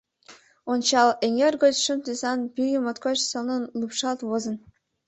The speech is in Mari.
— Ончал, эҥер гоч шым тӱсан пӱгӧ моткоч сылнын лупшалт возын.